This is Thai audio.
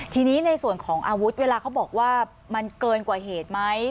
ทีนี้ในส่วนของอาวุธเวลาเขาบอกว่ามันเกินกว่าเหตุไหม